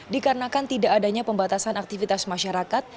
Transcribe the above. dikarenakan tidak adanya pembatasan aktivitas masyarakat